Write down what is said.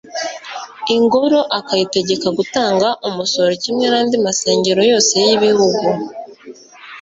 ingoro akayitegeka gutanga umusoro kimwe n'andi masengero yose y'ibihugu